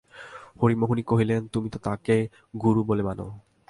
হরিমোহিনী কহিলেন, তুমি তো তাঁকে গুরু বলে মানো।